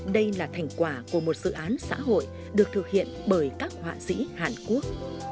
đây là thành quả của một dự án xã hội được thực hiện bởi các họa sĩ hàn quốc